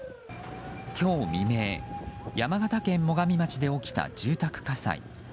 今日未明山形県最上町で起きた住宅火災。